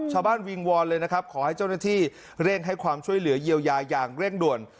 วิงวอนเลยนะครับขอให้เจ้าหน้าที่เร่งให้ความช่วยเหลือเยียวยาอย่างเร่งด่วน